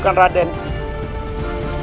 akhirnya raden pulang